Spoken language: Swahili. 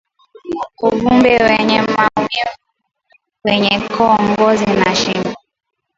Uvimbe wenye maumivu kwenye koo ngozi ya shingoni